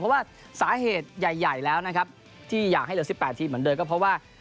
เพราะว่าสาเหตุใหญ่แล้วนะครับที่อยากให้เหลือ๑๘ทีมเหมือนเดิมก็เพราะว่า